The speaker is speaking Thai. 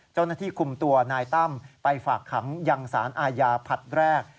เจ้าหน้าที่คุมตัวนายตั้มไปฝากขังยังสารอาญาผลัดแรก